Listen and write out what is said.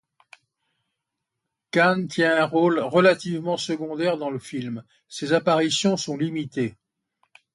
Cane tient un rôle relativement secondaire dans le film, ses apparitions sont limitées.